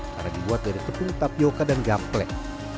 karena dibuat dari tepung tapioca dan gaplet